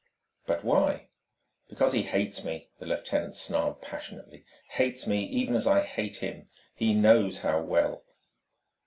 "But why?" "Because he hates me," the lieutenant snarled passionately "hates me even as I hate him he knows how well!"